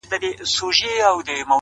د سړک څراغونه د شپې لار نرموي